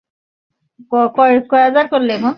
কালিদাসের সঙ্গে আরো একটু সাদৃশ্য দেখিতেছি।